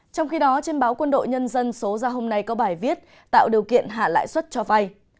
trong khi đó trên báo quân đội nhân dân số ra hôm nay có bài viết tạo điều kiện hạ lãi suất cho vay